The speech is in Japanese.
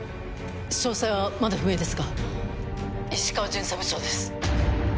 詳細はまだ不明ですが石川巡査部長です。